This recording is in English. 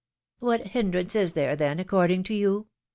^^What hindrance is there, then, according to you?"